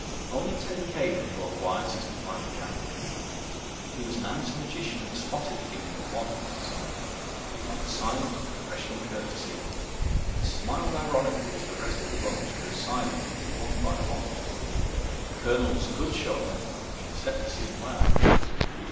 Only Teddy Kaner caught wise as the flight began. He was an amateur magician and spotted the gimmick at once. He kept silent with professional courtesy, and smiled ironically as the rest of the bunch grew silent one by one. The colonel was a good showman and he had set the scene well.